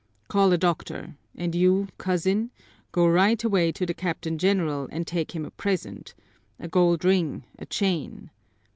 Call a doctor, and you, cousin, go right away to the Captain General and take him a present a gold ring, a chain.